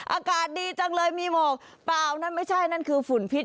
อากาศดีจังเลยมีหมอกเปล่านั่นไม่ใช่นั่นคือฝุ่นพิษ